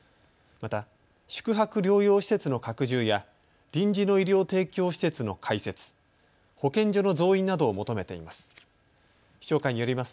また宿泊療養施設の拡充や臨時の医療提供施設の開設、保健所の増員などを求めています。